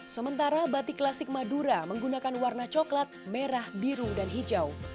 sementara batik klasik madura menggunakan warna coklat merah biru dan hijau